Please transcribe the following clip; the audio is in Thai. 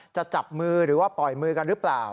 จะจับมือหรือว่าปล่อยมือกันหรือเปล่า